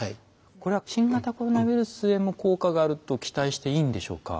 これは新型コロナウイルスへも効果があると期待していいんでしょうか？